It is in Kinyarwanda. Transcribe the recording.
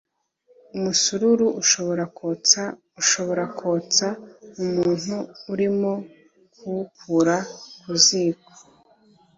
umusururu ushobora kotsa ushobora kotsa umuntu arimo kuwukura ku ziko